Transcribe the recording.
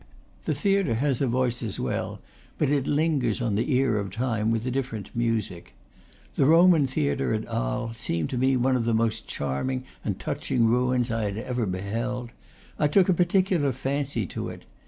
The theatre has a voice as well, but it lingers on the ear of time with a different music. The Roman theatre at Arles seemed to me one of the most charm ing and touching ruins I had ever beheld; I took a particular fancy to it.